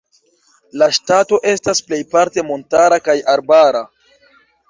La ŝtato estas plejparte montara kaj arbara.